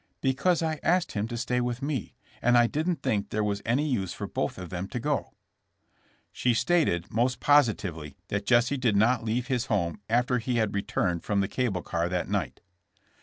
Because I asked him to stay with me. And I didn't think there was any use for both of them to go/' She stated most positively that Jesse did not leave his home after he had returned from the cable car that night.